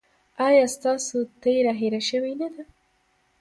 ایا ستاسو تیره هیره شوې نه ده؟